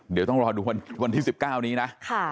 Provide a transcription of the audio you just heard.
เดี๋ยวต้องรอดูวันที่๑๙นี้นะ